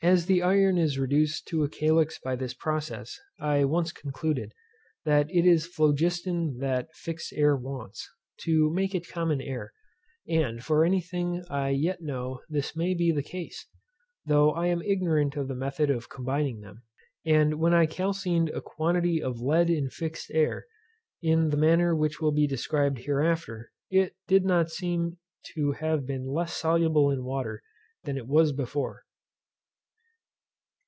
As the iron is reduced to a calx by this process, I once concluded, that it is phlogiston that fixed air wants, to make it common air; and, for any thing I yet know this may be the case, though I am ignorant of the method of combining them; and when I calcined a quantity of lead in fixed air, in the manner which will be described hereafter, it did not seem to have been less soluble in water than it was before.